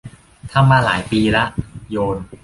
ทำมาหลายปีละ โยน